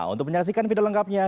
untuk menyaksikan video lengkapnya